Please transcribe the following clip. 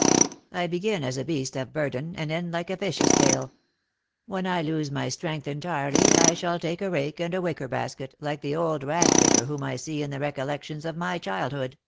I begin as a beast of burden, and end like a fish's tail. When I lose my strength entirely, I shall take a rake and a wicker basket, like the old rag picker whom I see in the recollections of my childhood."